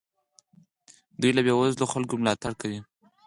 دوی له بې وزلو خلکو ملاتړ کوي.